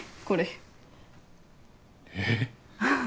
これええっ？